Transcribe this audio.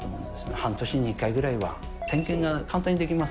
半年に１回ぐらいは、点検が簡単にできます。